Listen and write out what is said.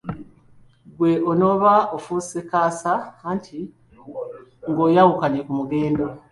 Ggwe onooba ofuuse" kaasa" anti ng'oyawukanye ku mugendo.